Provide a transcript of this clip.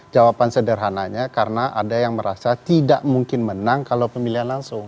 jawaban sederhananya karena ada yang merasa tidak mungkin menang kalau pemilihan langsung